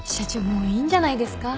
もういいんじゃないですか？